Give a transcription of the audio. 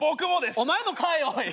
お前もかいおい。